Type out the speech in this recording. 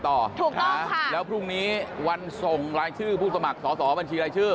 ถูกค่ะแล้วพรุ่งนี้วันส่งรายชื่อผู้สมัครสอสอบัญชีรายชื่อ